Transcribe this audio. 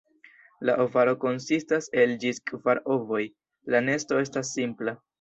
La ovaro konsistas el ĝis kvar ovoj, la nesto estas simpla.